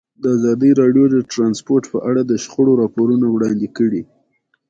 ازادي راډیو د ترانسپورټ په اړه د شخړو راپورونه وړاندې کړي.